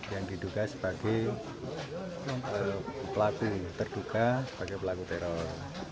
yang diduga sebagai pelaku terduga sebagai pelaku teror